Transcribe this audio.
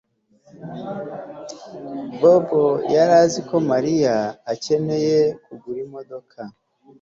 Bobo yari azi ko Mariya akeneye kugura imodoka